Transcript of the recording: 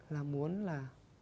là muốn là